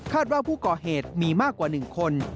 ว่าผู้ก่อเหตุมีมากกว่า๑คน